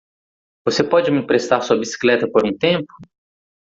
Você pode me emprestar sua bicicleta por um tempo?